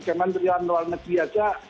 kementerian luar negeri saja